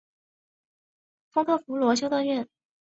丰特夫罗修道院。